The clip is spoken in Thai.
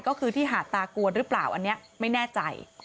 ก็คือที่หาดตากวนหรือเปล่าอันนี้ไม่แน่ใจ